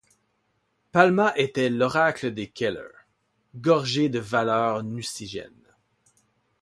Palma était l’oracle des Keller, gorgés de valeurs Nucingen.